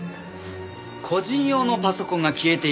個人用のパソコンが消えているんです。